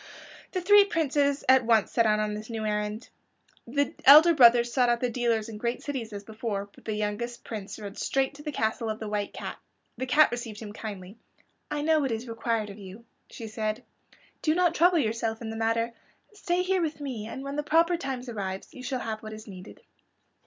The three princes at once set out on this new errand. The elder brothers sought out the dealers in great cities as before, but the youngest Prince rode straight to the castle of the White Cat. The cat received him kindly. "I know what is required of you," she said. "Do not trouble yourself in the matter. Stay here with me, and when the proper time arrives you shall have what is needed."